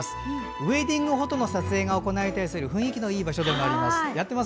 ウエディングフォトの撮影が行われたりする雰囲気のいい場所でもあります。